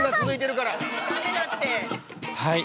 ◆はい！